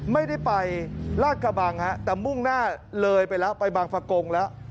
ไม่ได้ไปลาดกระบังฮะแต่มุ่งหน้าเลยไปแล้วไปบางประกงแล้ว